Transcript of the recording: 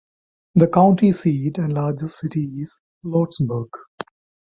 The county seat and largest city is Lordsburg.